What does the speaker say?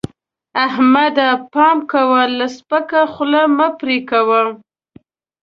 احمده! پام کوه؛ له سپکه خوله مه پرې کوه.